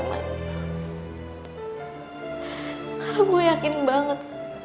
karena gue yakin banget